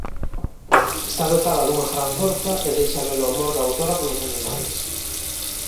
Está dotada dunha gran forza e deixa ver o amor da autora polos animais.